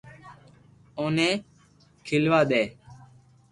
اوني کھيلوا دي